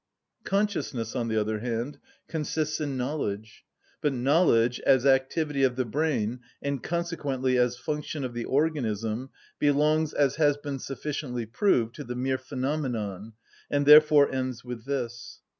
Consciousness, on the other hand, consists in knowledge. But knowledge, as activity of the brain, and consequently as function of the organism, belongs, as has been sufficiently proved, to the mere phenomenon, and therefore ends with this.